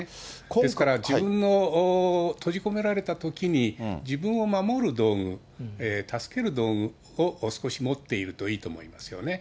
ですから自分の閉じ込められたときに、自分を守る道具、助ける道具を少し持っているといいと思いますよね。